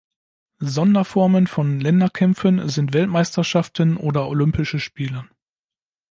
Sonderformen von Länderkämpfen sind Weltmeisterschaften oder Olympische Spiele.